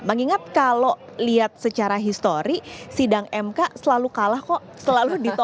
gambar yang anda saksikan saat ini adalah